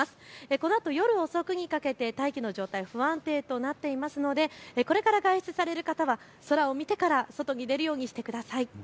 このあと夜遅くにかけて大気の状態、不安定となっていますのでこれから外出される方は空を見てから外に出るようにしてください。